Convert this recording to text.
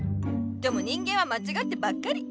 でも人間はまちがってばっかり。